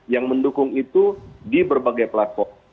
yang mendukung itu di berbagai platform